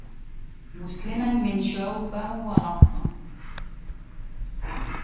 مُسلَّماً من شَوْبهِ ونقصِهِ